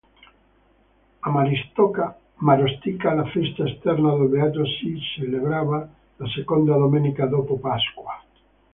A Marostica la festa esterna del beato si celebrava la seconda domenica dopo Pasqua.